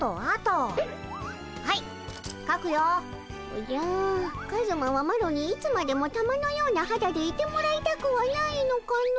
おじゃカズマはマロにいつまでも玉のようなはだでいてもらいたくはないのかの？